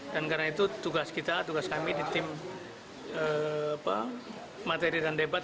dan karena itu tugas kita tugas kami di tim materi dan debat